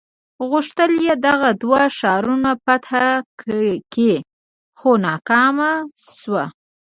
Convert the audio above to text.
غوښتل یې دغه دوه ښارونه فتح کړي خو ناکام شو.